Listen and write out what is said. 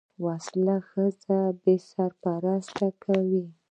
وسله ښځې بې سرپرسته کوي